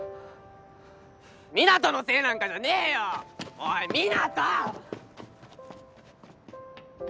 湊人のせいなんかじゃねえよ！おい湊人！